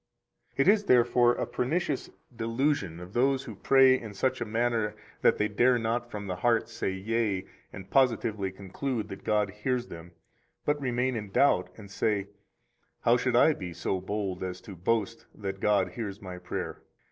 121 It is, therefore, a pernicious delusion of those who pray in such a manner that they dare not from the heart say yea and positively conclude that God hears them, but remain in doubt and say, How should I be so bold as to boast that God hears my prayer?